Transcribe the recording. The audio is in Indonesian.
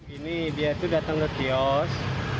ini dia itu datang ke kios